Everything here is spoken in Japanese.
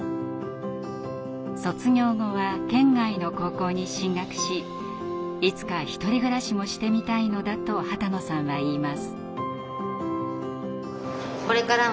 卒業後は県外の高校に進学しいつか１人暮らしもしてみたいのだと波多野さんは言います。